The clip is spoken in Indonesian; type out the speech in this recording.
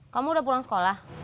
kamu udah pulang sekolah